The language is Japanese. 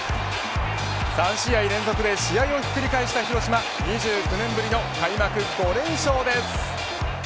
３試合連続で試合をひっくり返した広島２９年ぶりの開幕５連勝です。